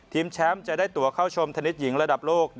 แชมป์จะได้ตัวเข้าชมธนิดหญิงระดับโลก